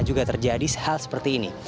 juga terjadi hal seperti ini